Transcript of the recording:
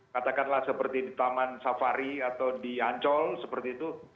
katakanlah seperti di taman safari atau di ancol seperti itu